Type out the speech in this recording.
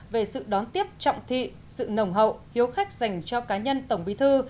về sự đón tiếp trọng thị sự nồng hậu hiếu khách dành cho cá nhân tổng bí thư